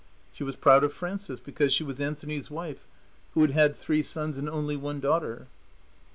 She was proud of Frances because she was Anthony's wife, who had had three sons and only one daughter.